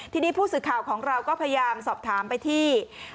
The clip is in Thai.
ทีนี้ผู้สื่อข่าวของเราก็พยายามสอบถามไปที่